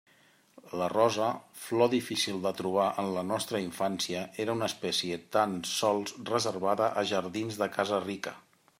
La rosa, flor difícil de trobar en la nostra infància, era una espècie tan sols reservada a jardins de casa rica.